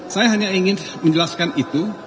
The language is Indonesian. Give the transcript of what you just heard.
saya hanya ingin menjelaskan itu